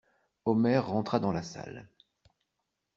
Omer rentra dans la salle.